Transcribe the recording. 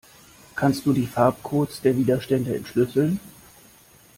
Kannst du die Farbcodes der Widerstände entschlüsseln?